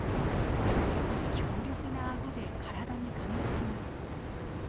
強力なあごで体にかみつきます。